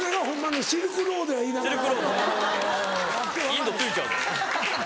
インド着いちゃう。